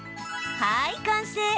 はい、完成。